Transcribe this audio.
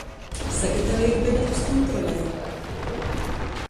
Sagatavejit beletus kontrolei!